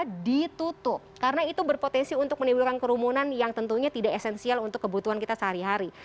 karena ditutup karena itu berpotensi untuk menimbulkan kerumunan yang tentunya tidak esensial untuk kebutuhan kita sehari hari